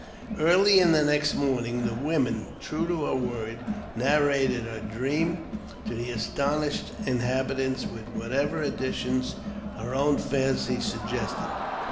Early the next morning, the woman, true to her word^ narrated her dream to the astonished inhabitants, with what ' ever additions her own fancy suggested.